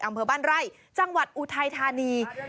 อำเภอบ้านไร่จังหวัดอุทัยธานี